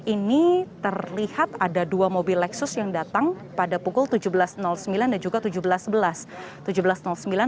ini terlihat ada dua mobil lexus yang datang pada pukul tujuh belas sembilan dan juga tujuh belas sebelas